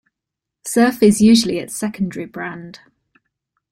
Surf is usually its secondary brand.